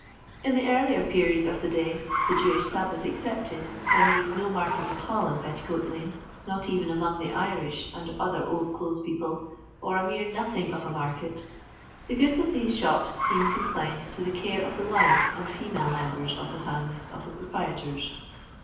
LONDON LABOUR AND THE LONDON POOR. 89 In the earlier periods of the day — the Jewish Sabbath excepted, when there is no market at all in Petticoat lane, not even among the Irish and other old clothes people, or a mere nothing of a market — the goods of these shops seem consigned to the care of the wives and female members of the frmilies of the proprietors.